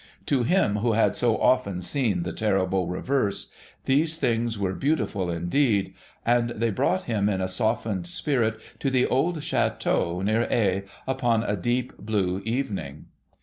To him who had so often seen the terrible reverse, these things were beautiful indeed ; and they brought him in a softened spirit to the old chateau near Aix upon a deep blue evening.